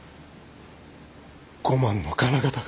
５万の金型が。